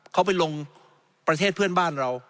เขาไปลงประเทศเพื่อนบ้านเรา